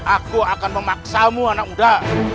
aku akan memaksamu anak muda